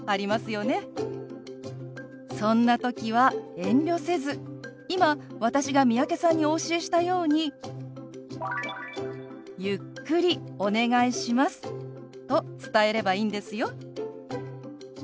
そんな時は遠慮せず今私が三宅さんにお教えしたように「ゆっくりお願いします」と伝えればいいんですよ。